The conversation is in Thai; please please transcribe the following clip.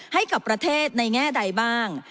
ให้กับประเทศในแง่ใดบ้าง